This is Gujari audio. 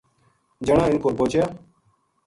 جنا اِنھ کول پوہچیا